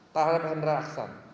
tahran hendra aksan